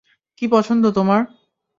কী পছন্দ তোমার?